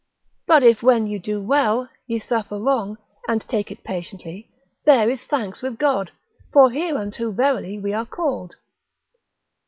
But if when you do well, ye suffer wrong, and take it patiently, there is thanks with God; for hereunto verily we are called.